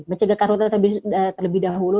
mencegah karhutlah terlebih dahulu